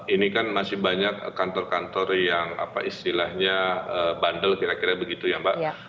ini kan masih banyak kantor kantor yang apa istilahnya bandel kira kira begitu ya mbak